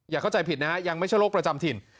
เข้าใจผิดนะฮะยังไม่ใช่โรคประจำถิ่น